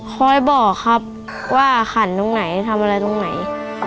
คอยบอกครับว่าขันตรงไหนทำอะไรตรงไหน